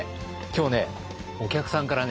今日ねお客さんからね